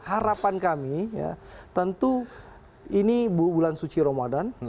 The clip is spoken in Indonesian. harapan kami ya tentu ini bulan suci ramadan